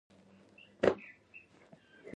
هلک د هر سختي مقابلې ته چمتو وي.